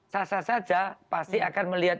sasa saja pasti akan melihat